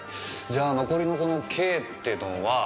じゃあ残りのこのＫってのは。